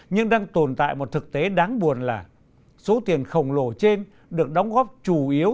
nhưng đang tồn tại một thực tế đáng buồn là số tiền khổng lồ trên được đóng góp chủ yếu